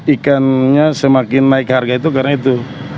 ikannya semakin naik harga itu karena itu